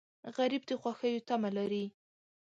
غریب د خوښیو تمه لري